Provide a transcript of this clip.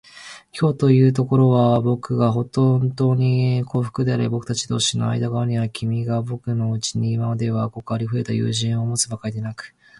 きょうのところは、ぼくがほんとうに幸福であり、ぼくたち同士の間柄では、君がぼくのうちに今ではごくありふれた友人を持つばかりでなく、